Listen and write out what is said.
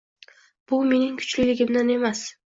Bu mening kuchliligimdan emas.